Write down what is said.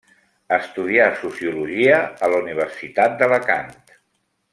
Estudià sociologia a la Universitat d'Alacant.